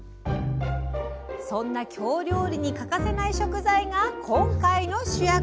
そんな京料理に欠かせない食材が今回の主役。